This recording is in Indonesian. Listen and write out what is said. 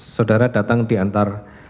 saudara datang di antar